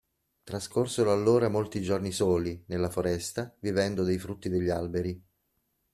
Trascorsero allora molti giorni soli, nella foresta, vivendo dei frutti degli alberi.